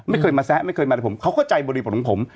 ไม่เคยมาแซะไม่เคยมาแต่ผมเขาเข้าใจบริบทของผม